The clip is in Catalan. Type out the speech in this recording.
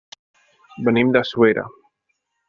Venim de Suera.